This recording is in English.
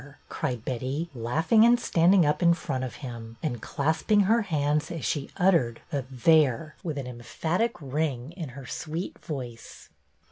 " cried Betty, laughing and standing up in front of him, and clasping her hands as she uttered the There !" with an emphatic ring in her sweet voice.